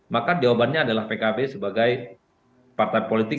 maka jawabannya adalah pkb sebagai partai politik